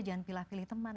jangan pilih pilih teman